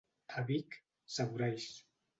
A Vic, saboralls.